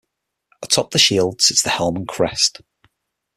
Atop the shield sits the helm and crest.